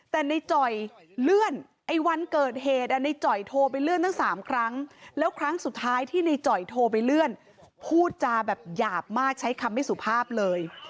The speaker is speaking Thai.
แต่ในจ่อยเลื่อนไอ้วันเกิดเหตุในจ่อยโทรไปเลื่อนทั้ง๓ครั้งแล้วครั้งสุดท้ายที่ในจ่อยโทรไปเลื่อนพูดจาแบบหยาบมากใช้คำไม่สุภาพเลย